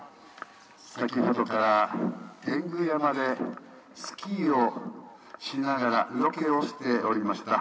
先ほどから天狗山でスキーをしながらロケをしておりました。